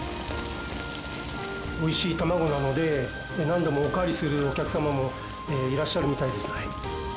おいしいたまごなので何度もおかわりするお客様もいらっしゃるみたいです。